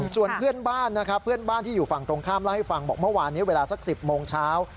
ส่วนเพื่อนบ้านนะครับเพื่อนบ้านที่อยู่ฝั่งตรงข้ามเล่าให้ฟังบอกเมื่อวานนี้เวลาสัก๑๐โมงเช้า